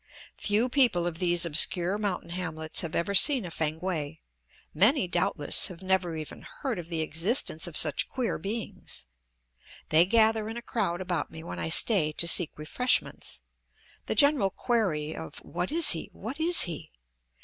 Few people of these obscure mountain hamlets have ever seen a Fankwae; many, doubtless, have never even heard of the existence of such queer beings. They gather in a crowd about me when I stay to seek refreshments; the general query of "What is he? what is he?"